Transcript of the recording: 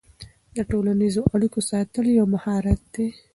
د ټولنیزو اړیکو ساتل یو مهارت دی.